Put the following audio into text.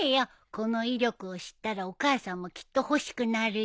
この威力を知ったらお母さんもきっと欲しくなるよ。